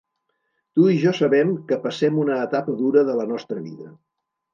Tu i jo sabem que passem una etapa dura de la nostra vida.